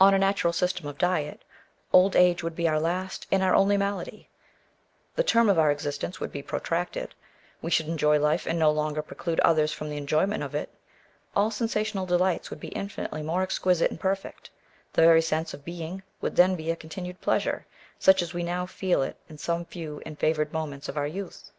On a natural system of diet, old age would be our last and our only malady : the term of our existence would be protracted ; we should enjoy life, and no longer preclude others from the enjoyment of it ; all sensational delights would be infinitely more exquisite and perfect ; the very sense of being would then be a continued pleasure, such as we now feel it in some few and favoured moments of our youth.